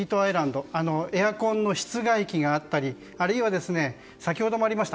エアコンの室外機があったりあるいは先ほどもありました